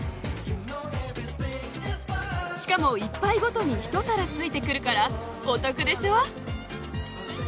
しかも１杯ごとに一皿ついてくるからお得でしょう？